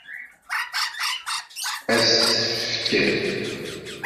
Ad s-t-tefk?